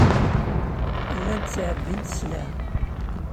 Llant ttɛebbint sselɛa.